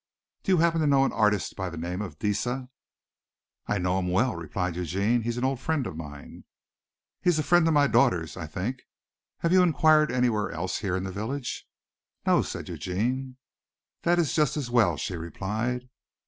Do you happen to know of an artist by the name of Deesa?" "I know him well," replied Eugene. "He's an old friend of mine." "He is a friend of my daughter's, I think. Have you enquired anywhere else here in the village?" "No," said Eugene. "That is just as well," she replied.